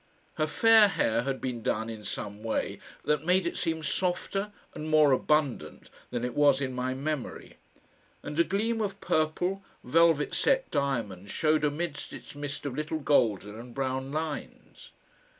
Her fair hair had been done in some way that made it seem softer and more abundant than it was in my memory, and a gleam of purple velvet set diamonds showed amidst its mist of little golden and brown lines.